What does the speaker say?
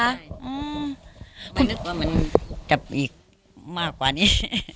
มันสิ่งที่มันจับอีกดีมากกว่านี้